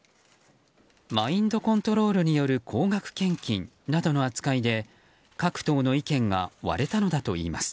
マインドコントロールによる高額献金などの扱いで各党の意見が割れたのだといいます。